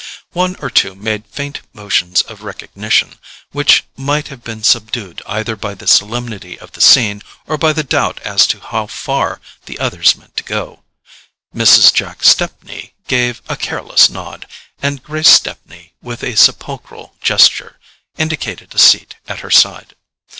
One or two made faint motions of recognition, which might have been subdued either by the solemnity of the scene, or by the doubt as to how far the others meant to go; Mrs. Jack Stepney gave a careless nod, and Grace Stepney, with a sepulchral gesture, indicated a seat at her side.